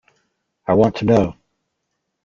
I want to know.